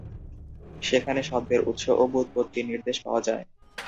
সেখানে শব্দের উৎস ও ব্যুৎপত্তিনির্দেশ পাওয়া যায়।